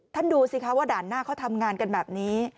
ดูสิคะว่าด่านหน้าเขาทำงานกันแบบนี้